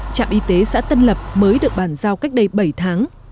trạm y tế xã tân lập mới được bàn giao cách đây bảy tháng